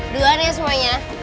dua nih semuanya